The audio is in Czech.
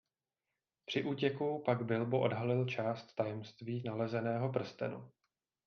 Při útěku pak Bilbo odhalil část tajemství nalezeného prstenu.